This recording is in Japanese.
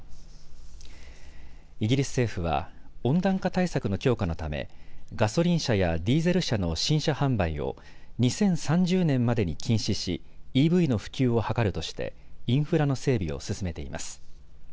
イギリス政府は温暖化対策の強化のためガソリン車やディーゼル車の新車販売を２０３０年までに禁止しＥＶの普及を図るとしてインフラの整備を進めています。